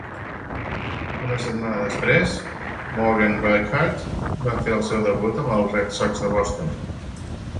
Una setmana després, Morgan Burkhart va fer el seu debut amb els Red Sox de Boston.